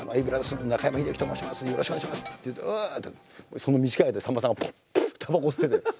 その短い間でさんまさんはポッポたばこ吸ってて。